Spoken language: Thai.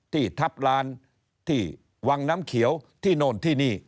ที่ทัพล้านที่วังน้ำเขียวที่โน่นที่นี่